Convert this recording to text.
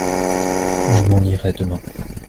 Je m'en irai demain.